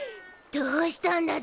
どうしたんだゾ。